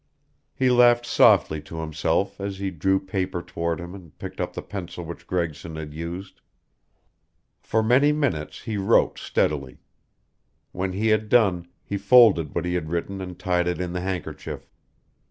He laughed softly to himself as he drew paper toward him and picked up the pencil which Gregson had used. For many minutes he wrote steadily. When he had done, he folded what he had written and tied it in the handkerchief.